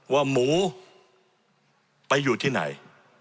ว่าหมูไปอยู่ที่ไหน